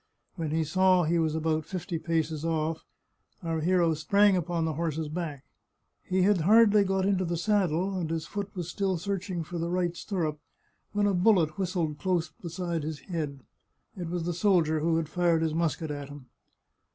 When he saw he was about fifty paces oflf our hero sprang upon the horse's back. He had hardly got into the saddle, and his foot was still searching for the right stirrup, when a bullet whistled close beside his head ; it was the soldier who had fired his musket at him.